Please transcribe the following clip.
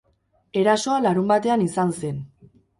Erasoa larunbatean izan zen.